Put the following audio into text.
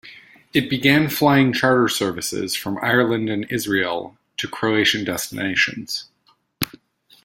It began flying charter services from Ireland and Israel to Croatian destinations.